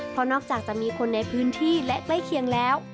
เพราะนอกจากจะมีคนในพื้นที่และใกล้เคียงแล้ว